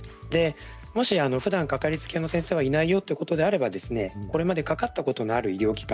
もしふだん、掛かりつけの先生がいないよということであればこれまでかかったことのある医療機関